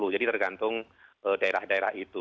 jadi tergantung daerah daerah itu